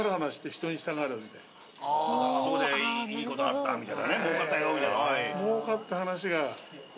あそこでいい事あったみたいなね儲かったよみたいなはい。